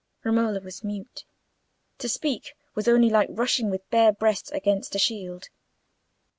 Romola was mute. To speak was only like rushing with bare breast against a shield.